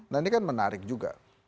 nah ini kan menarik juga